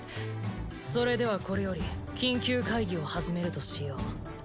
それではこれより緊急会議を始めるとしよう。